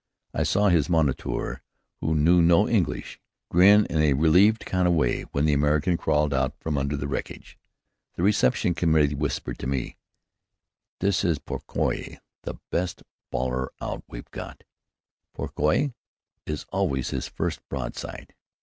I saw his moniteur, who knew no English, grin in a relieved kind of way when the American crawled out from under the wreckage. The reception committee whispered to me, "This is Pourquoi, the best bawler out we've got. 'Pourquoi?' is always his first broadside.